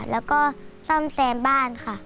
แล้วก็ซ่อมแซมบ้านค่ะ